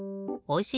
お！